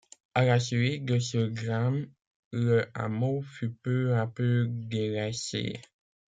À la suite de ce drame, le hameau fut peu à peu délaissé.